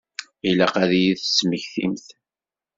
Ilaq ad iyi-d-tesmektimt.